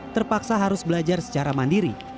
terpaksa harus belajar secara mandiri